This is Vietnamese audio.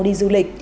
đi du lịch